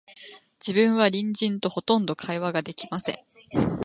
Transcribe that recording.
自分は隣人と、ほとんど会話が出来ません